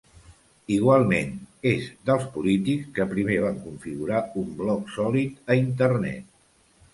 Igualment, és dels polítics que primer va configurar un blog sòlid a internet.